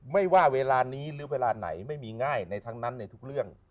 ไม่ว่าเวลานี้หรือเวลาไหนไม่มีง่ายในทั้งนั้นในทุกเรื่อง